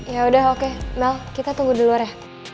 ya udah oke mel kita tunggu duluan ya